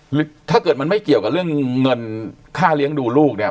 หรือถ้าเกิดมันไม่เกี่ยวกับเรื่องเงินค่าเลี้ยงดูลูกเนี่ย